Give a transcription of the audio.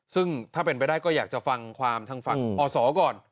ซึ่งถ้าเป็นไปได้ก็อยากจะฟังความทางฝั่งอศก่อน